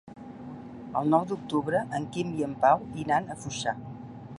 El nou d'octubre en Quim i en Pau iran a Foixà.